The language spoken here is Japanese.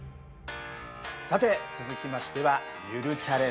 さて続きましては「ゆるチャレ」です。